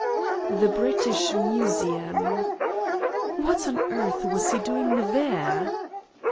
"The British Museum." "What on earth was he doing there?"